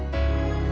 saya tak ada